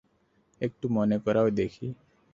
একটু মনে করাও দেখি।